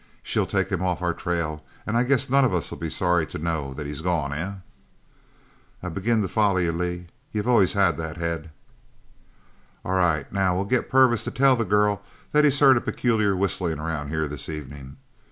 She'll take him off our trail, and I guess none of us'll be sorry to know that he's gone, eh?" "I begin to follow you, Lee. You've always had the head!" "All right. Now we'll get Purvis to tell the girl that he's heard a peculiar whistling around here this evening.